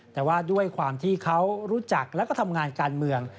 แต่ว่าด้วยความที่เขารู้จักแล้วก็ทำงานการเมือง